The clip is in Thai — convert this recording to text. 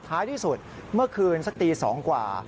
ท้ายที่สุดเมื่อคืนสักตี๒กว่า